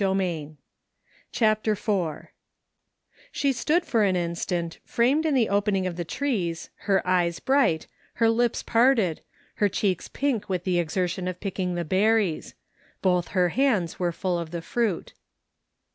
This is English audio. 45 CHAPTER IV She stood for an instant, framed in the opening of the trees, her eyes bright, her lips parted, her cheeks pink with the exertion of picking the berries. Both her hands were full of the fruit.